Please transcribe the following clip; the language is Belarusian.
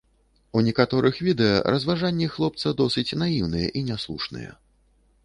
У некаторых відэа разважанні хлопца досыць наіўныя і не слушныя.